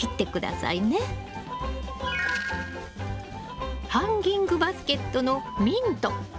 この子もハンギングバスケットのミント。